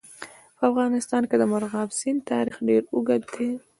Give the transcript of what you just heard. په افغانستان کې د مورغاب سیند تاریخ ډېر اوږد دی.